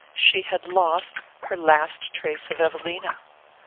She had lost her last trace of Evelina.